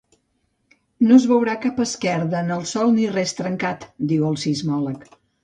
No es veurà cap esquerda en el sòl ni res trencat, diu el sismòleg.